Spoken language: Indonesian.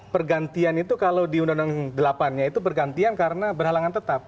pergantian itu kalau di undang undang delapan nya itu bergantian karena berhalangan tetap